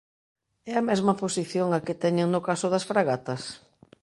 ¿É a mesma posición a que teñen no caso das fragatas?